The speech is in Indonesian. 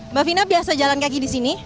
mbak vina biasa jalan kaki di sini